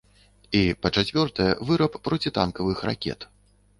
І, па-чацвёртае, выраб процітанкавых ракет.